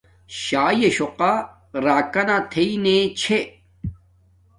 شاݵ سُوقا راکانا تھݵ نے چھے